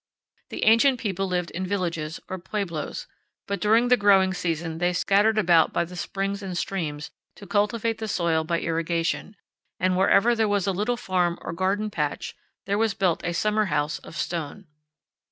The ancient people lived in villages, or pueblos, but during the growing season they scattered about by the springs and streams to cultivate the soil by irrigation, and wherever there was a little farm or garden patch, there was built a summer house of stone.